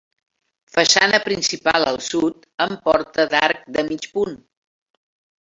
Façana principal al sud, amb porta d'arc de mig punt.